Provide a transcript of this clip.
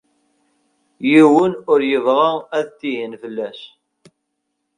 Yiwen ur yebɣa ad tihin fell-as.